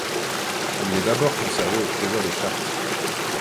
Il est d'abord conservé au Trésor des Chartes.